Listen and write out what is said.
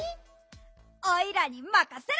おいらにまかせろ！